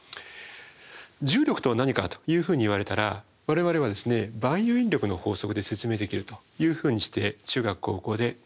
重力とは何かというふうに言われたら我々は万有引力の法則で説明できるというふうにして中学高校で習うかと思います。